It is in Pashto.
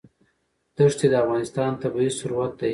ښتې د افغانستان طبعي ثروت دی.